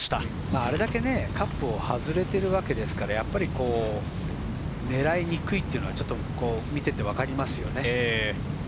あれだけカップを外れているわけですから、狙いにくいというのは見ていてわかりますね。